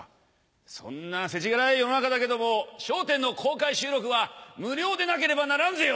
そんな世知辛い世の中だけども『笑点』の公開収録は無料でなければならんぜよ。